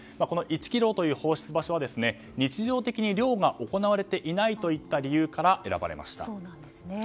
この１ｋｍという放出場所は日常的に漁が行われていないといった理由から選ばれました。